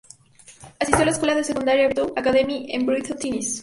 Asistió a la escuela de secundaria Brentwood Academy en Brentwood, Tennessee.